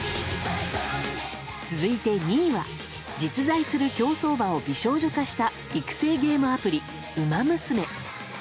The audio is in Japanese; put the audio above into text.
続いて２位は実在する競走馬を美少女化した育成ゲームアプリ「ウマ娘」。